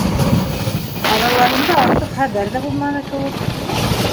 Араларында артыҡ хәбәр ҙә булманы кеүек.